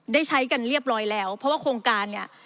ได้ใช้กันเรียบร้อยแล้วเพราะว่าโครงการเนี่ย